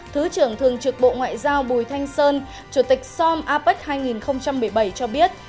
thứ trưởng thường trực bộ ngoại giao bùi thanh sơn chủ tịch som apec hai nghìn một mươi bảy cho biết